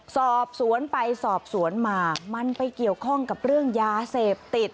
สอบสวนไปสอบสวนมามันไปเกี่ยวข้องกับเรื่องยาเสพติด